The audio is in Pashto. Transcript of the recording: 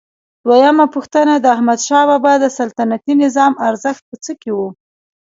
دویمه پوښتنه: د احمدشاه بابا د سلطنتي نظام ارزښت په څه کې و؟